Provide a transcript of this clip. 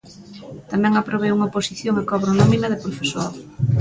Tamén aprobei unha oposición e cobro nómina de profesor.